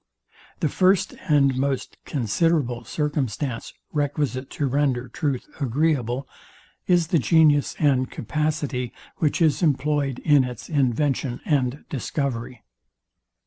The first and most considerable circumstance requisite to render truth agreeable, is the genius and capacity, which is employed in its invention and discovery.